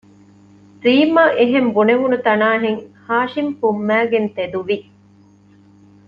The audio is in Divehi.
ރީމްއަށް އެހެން ބުނެވުނުތަނާހެން ހާޝިމް ފުންމައިގެން ތެދުވި